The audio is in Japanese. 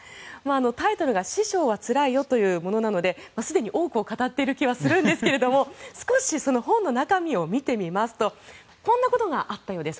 タイトルが「師匠はつらいよ」というものなのですでに多くを語っている気はするんですが少しその本の中身を見てみますとこんなことがあったようです。